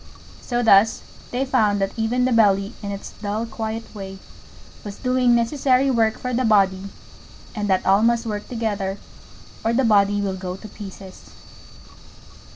So thus they found that even the Belly in its dull quiet way was doing necessary work for the Body, and that all must work together or the Body will go to pieces.